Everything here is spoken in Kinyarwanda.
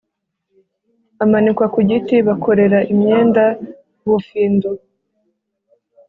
Amanikwa kugiti bakorera imyenda ubufindu